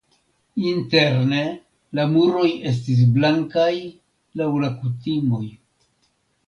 Interne la muroj estis blankaj laŭ la kutimoj.